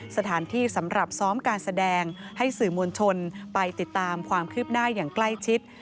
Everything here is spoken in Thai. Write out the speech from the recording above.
สถานที่สำหรับซ้อมการแสดงให้สื่อมวลชนไปติดตามความคืบหน้าอย่างใกล้ชิด